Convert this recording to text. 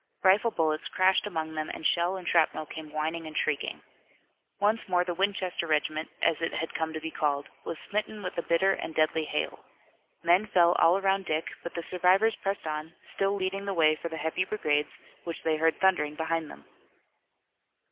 Rifle bullets crashed among them and shell and shrapnel came whining and shrieking. Once more the Winchester regiment, as it had come to be called, was smitten with a bitter and deadly hail. Men fell all around Dick but the survivors pressed on, still leading the way for the heavy brigades which they heard thundering behind them.